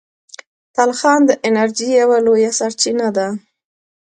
تلخان د انرژۍ یوه لویه سرچینه ده.